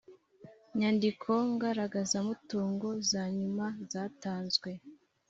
nyandiko ngaragazamutungo za nyuma zatanzwe